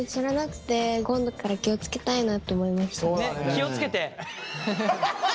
気を付けて。